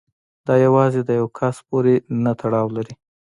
دا یوازې د یو کس پورې نه تړاو لري.